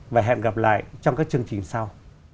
và hẹn gặp lại trong các chương trình sau